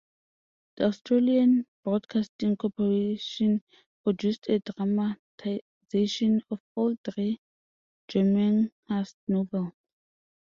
The Australian Broadcasting Corporation produced a dramatization of all three Gormenghast novels.